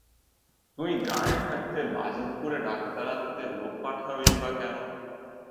তুই গাঁয়ে থাকতে বাজিতপুরে ডাক্তার আনতে লোক পাঠাবেই বা কেন?